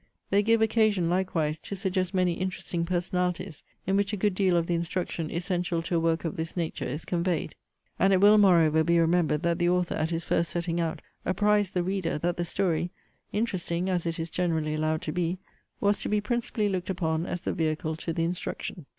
They give occasion, likewise, to suggest many interesting personalities, in which a good deal of the instruction essential to a work of this nature is conveyed. And it will, moreover, be remembered, that the author, at his first setting out, apprized the reader, that the story (interesting as it is generally allowed to be) was to be principally looked upon as the vehicle to the instruction.